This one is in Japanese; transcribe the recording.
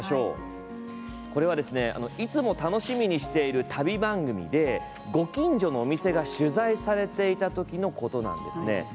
いつも楽しみにしている旅番組でご近所のお店が取材されていたときのことなんですね。